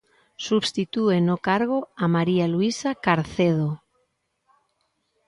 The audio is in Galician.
Substitúe no cargo a María Luisa Carcedo.